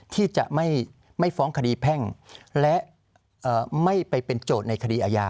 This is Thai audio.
ที่จะไม่ฟ้องคดีแพ่งและไม่ไปเป็นโจทย์ในคดีอาญา